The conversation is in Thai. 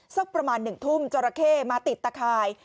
สักประมาณ๑ทุ่มจราเข้มาติดตะข่าย